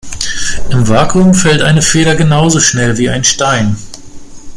Im Vakuum fällt eine Feder genauso schnell wie ein Stein.